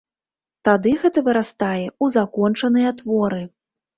Тады гэта вырастае ў закончаныя творы.